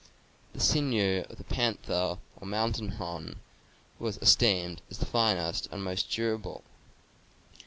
The sinew of the panther or mountain Hon was esteemed as the finest and most durable.